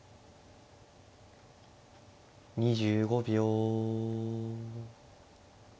２５秒。